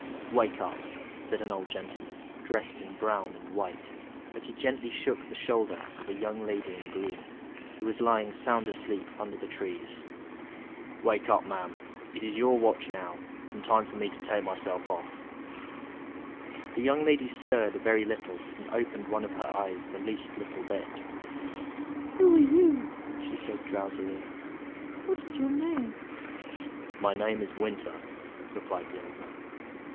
"WAKE up!" said an old gentleman, dressed in brown and white, as he gently shook the shoulder of a young lady in green, who was lying sound asleep under the trees. "Wake up, ma'am! it is your watch now, and time for me to take myself off." The young lady stirred a very little, and opened one of her eyes the least little bit. "Who are you?" she said, drowsily. "What is your name?" "My name is Winter," replied the old man.